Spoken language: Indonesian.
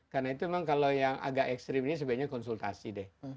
karena itu memang kalau yang agak ekstrim ini sebaiknya konsultasi deh